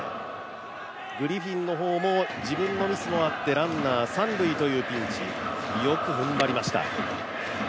グリフィンの方も自分のミスもあってランナー、三塁というピンチよく踏ん張りました。